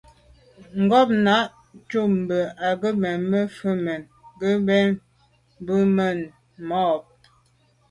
Ngômnà' cúp mbə̄ á gə̀ mə̄ vwá' mɛ́n gə ̀tá bû mɛ́n bû máàp.